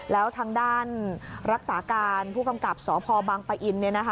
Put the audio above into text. แล้วทางด้านรักษาการผู้กำกับสพบังปะอิน